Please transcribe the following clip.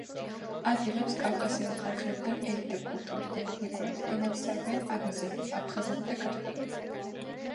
ადიღელებს კავკასიელ ხალხებიდან ენით და კულტურით და ეთნიკურად ენათესავებიან აბაზები, აფხაზები და ქართველები.